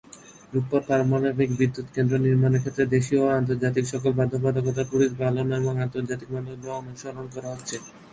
রূপপুর পারমাণবিক বিদ্যুৎ কেন্দ্র নির্মাণের ক্ষেত্রে দেশীয় ও আন্তর্জাতিক সকল বাধ্যবাধকতা প্রতিপালন এবং আন্তর্জাতিক মানদন্ড অনুসরণ করা হচ্ছে।